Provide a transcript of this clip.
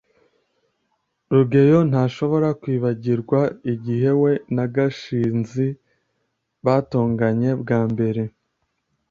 rugeyo ntashobora kwibagirwa igihe we na gashinzi batonganye bwa mbere